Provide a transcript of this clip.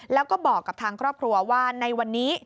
แล้วก็บอกกับทางครอบครัวว่าในวันนี้